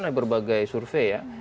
oleh berbagai survei ya